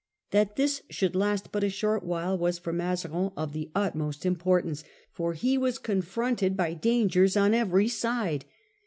That this should last but a short while was for Mazarin of the utmost im portance, for he was confronted by dangers on every side.